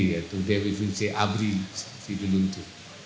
yaitu duifungsi abri seperti dulu itu